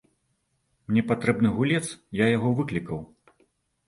Мне патрэбны гулец, я яго выклікаў.